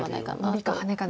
ノビかハネかで。